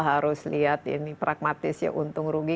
harus lihat ini pragmatis ya untung rugi